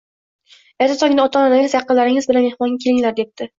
Ertaga tongda ota-onangiz, yaqinlaringiz bilan mehmonga kelinglar, debdi